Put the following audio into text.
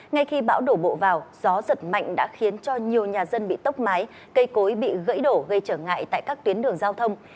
ngay khi bão đổ bộ vào gió giật mạnh đã khiến cho nhiều nhà dân bị tốc mái cây cối bị gãy đổ gây trở ngại tại các tuyến đường giao thông